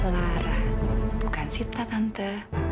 lara bukan sita tante